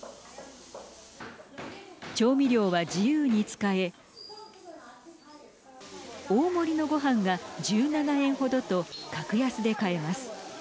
調味料は自由に使え大盛りのごはんが１７円ほどと格安で買えます。